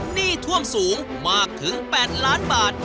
หนี้ท่วมสูงมากถึง๘ล้านบาท